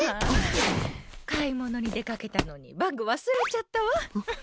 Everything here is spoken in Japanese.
買い物に出かけたのにバッグ忘れちゃったわ。